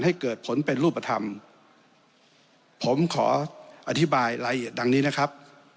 ให้เกิดผลเป็นรูปธรรมผมขออธิบายรายละเอียดดังนี้นะครับ